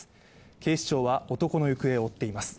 警視庁は男の行方を追っています。